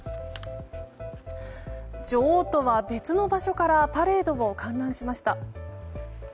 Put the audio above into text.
女王とは別の場所からパレードを観覧しました。